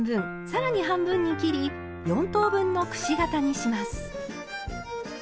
さらに半分に切り４等分のくし形にします。